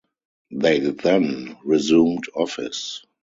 They then resumed office.